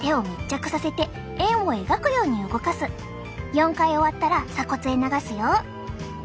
４回終わったら鎖骨へ流すよ。